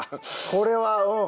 これはうん。